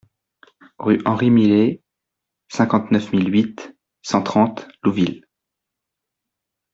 Rue Henri Millez, cinquante-neuf mille huit cent trente Louvil